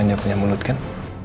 hanya punya mulut kan